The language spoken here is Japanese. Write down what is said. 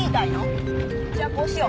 じゃあこうしよう。